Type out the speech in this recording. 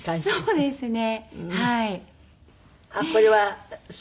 そうですね。